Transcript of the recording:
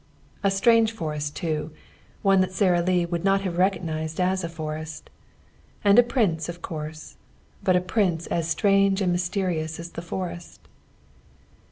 A strange forest, too one that Sara Lee would not have recognised as a forest. And a prince of course but a prince as strange and mysterious as the forest.